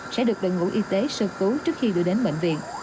sẽ được đội ngũ y tế sơ cứu trước khi đưa đến bệnh viện